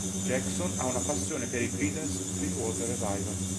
Jackson ha una passione per i Creedence Clearwater Revival.